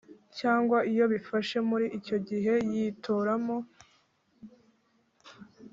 Cyangwa iyo bifashe muri icyo gihe yitoramo